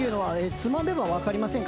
ツマめば分かりません。